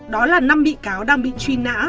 đó là năm bị cáo đang bị truy nã